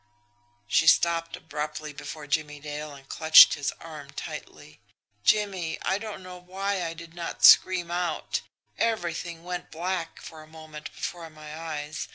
She stopped abruptly before Jimmie Dale, and clutched his arm tightly. "Jimmie, I don't know why I did not scream out. Everything went black for a moment before my eyes.